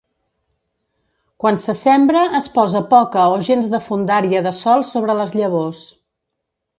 Quan se sembra es posa poca o gens de fondària de sòl sobre les llavors.